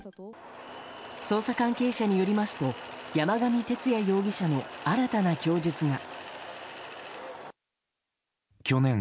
捜査関係者によりますと山上徹也容疑者の新たな供述が。